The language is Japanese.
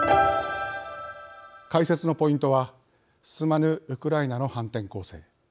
解説のポイントは進まぬウクライナの反転攻勢